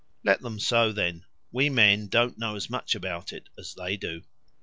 Let them sow, then; we men don't know as much about it as they do."